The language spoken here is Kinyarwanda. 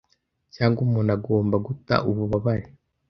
Cyangwa umuntu agomba guta ububabare.